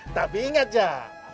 tapi ingat jak